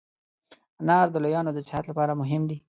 انار د لویانو د صحت لپاره مهم دی.